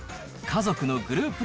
家族のグループ